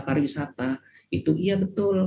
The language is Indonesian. pariwisata itu iya betul